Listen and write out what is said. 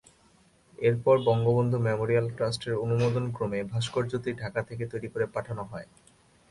এরপর বঙ্গবন্ধু মেমোরিয়াল ট্রাস্টের অনুমোদনক্রমে ভাস্কর্যটি ঢাকা থেকে তৈরি করে পাঠানো হয়।